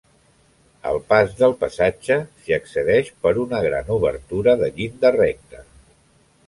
Al pas del passatge s'hi accedeix per una gran obertura de llinda recta.